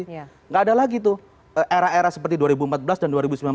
tidak ada lagi tuh era era seperti dua ribu empat belas dan dua ribu sembilan belas